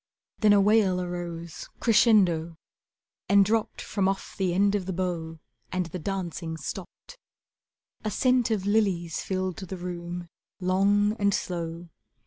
Then a wail arose crescendo And dropped from off the end of the bow, And the dancing stopped. A scent of lilies filled the room, Long and slow.